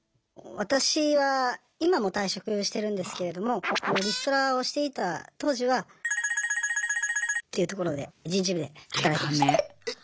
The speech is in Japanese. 私は今もう退職してるんですけれどもリストラをしていた当時はというところで人事部で働いてました。